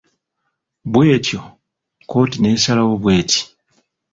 Bwetyo kkooti neesalawo bweti.